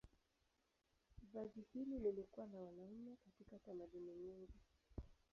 Vazi hili lilikuwa la wanaume katika tamaduni nyingi.